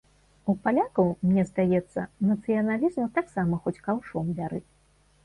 У палякаў, мне здаецца, нацыяналізму таксама хоць каўшом бяры.